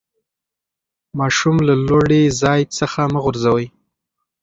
ماشوم له لوړي ځای څخه مه غورځوئ.